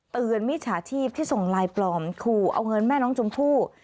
มิจฉาชีพที่ส่งไลน์ปลอมขู่เอาเงินแม่น้องชมพู่